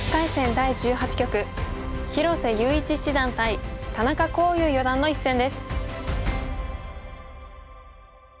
第１８局広瀬優一七段対田中康湧四段の一戦です。